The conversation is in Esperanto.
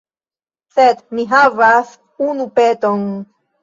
Sed mi havas unu peton.